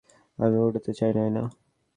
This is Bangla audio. আমি উড়তে চাই, নায়না!